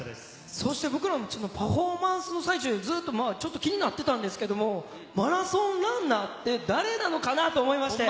そして僕らもパフォーマンスの最中ずっと気になっていたんですけれど、マラソンランナーって誰なのかなと思いまして。